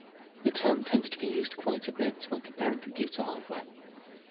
The term tends to be used quite a bit when comparing computer hardware.